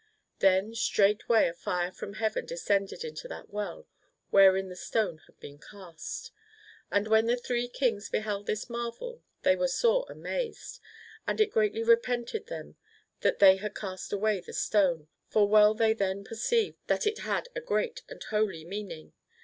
Then straight way a fire from Heaven descended into that well wherein the stone had been cast. And when the Three Kings beheld this marvel they were sore amazed, and it greatly repented them that they had cast away the stone ; for well they then perceived that it had a great and holy meaning.